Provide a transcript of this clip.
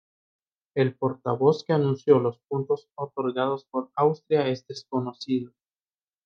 El portavoz que anunció los puntos otorgados por Austria es desconocido.